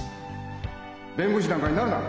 弁護士なんかになるな！